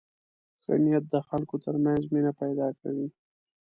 ښه نیت د خلکو تر منځ مینه پیدا کوي.